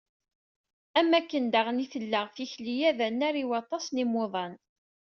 Am wakken daɣen, i tella tikli-a d annar i waṭas n yiwudam.